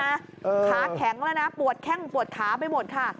ขาแข็งแล้วนะปวดแข้งปวดขาไปหมดค่ะ